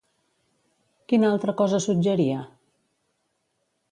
Quina altra cosa suggeria?